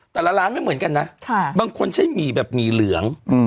แต่ละร้านไม่เหมือนกันนะบางคนใช้หมี่แบบหมี่เหลือง